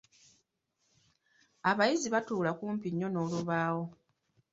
Abayizi batuula kumpi nnyo n'olubaawo.